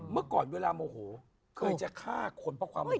เมื่อก่อนเวลาโมโหเคยจะฆ่าคนเพราะความโมโหมาแล้ว